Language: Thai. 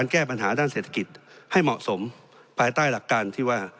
แก้ปัญหาด้านเศรษฐกิจให้เหมาะสมภายใต้หลักการที่ว่า